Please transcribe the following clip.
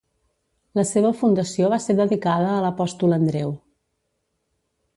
La seva fundació va ser dedicada a l'apòstol Andreu.